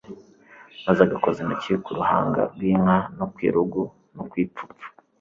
maze agakoza intoki ku ruhanga rw’inka no ku irugu no ku ipfupfu ,